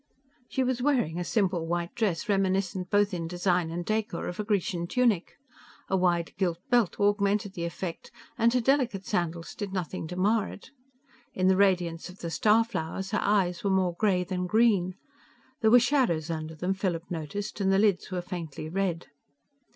She was wearing a simple white dress, reminiscent both in design and décor of a Grecian tunic. A wide gilt belt augmented the effect, and her delicate sandals did nothing to mar it. In the radiance of the star flowers, her eyes were more gray than green. There were shadows under them, Philip noticed, and the lids were faintly red.